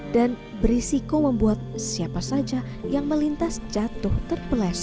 dan berisiko membuat siapa saja yang melintas jatuh terpeleset